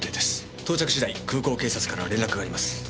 到着次第空港警察から連絡があります。